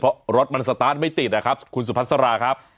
เพราะรถมันสตาร์ทไม่ติดนะครับคุณสุพัสราครับ